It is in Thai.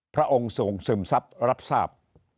พระองค์ทรงสึมทรัพย์รับทราบ